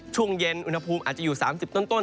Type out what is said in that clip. ช่วงเย็นอุณหภูมิอาจจะอยู่๓๐ต้น